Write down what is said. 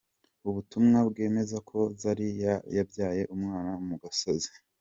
Ubutumwa bwemeza ko Zari yabyaye umwana mu gasozi.